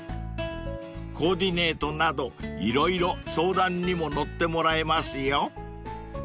［コーディネートなど色々相談にも乗ってもらえますよ］